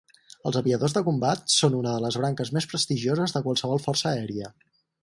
Els aviadors de combat són una de les branques més prestigioses de qualsevol força aèria.